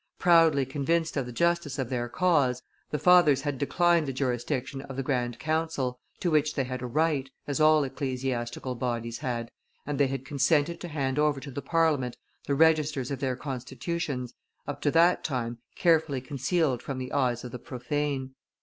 Proudly convinced of the justice of their cause, the Fathers had declined the jurisdiction of the grand council, to which they had a right, as all ecclesiastical bodies had, and they had consented to hand over to the Parliament the registers of their constitutions, up to that time carefully concealed from the eyes of the profane.